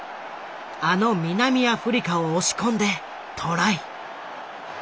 あの南アフリカを押し込んでトライ。